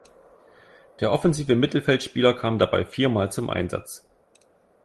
Der offensive Mittelfeldspieler kam dabei viermal zum Einsatz.